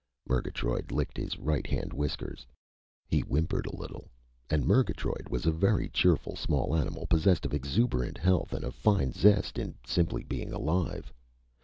Murgatroyd licked his right hand whiskers. He whimpered a little and Murgatroyd was a very cheerful small animal, possessed of exuberant health and a fine zest in simply being alive.